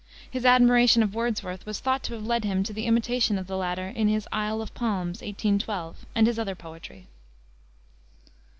His admiration of Wordsworth was thought to have led him to imitation of the latter, in his Isle of Palms, 1812, and his other poetry.